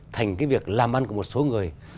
thành cái việc làm ăn của một số người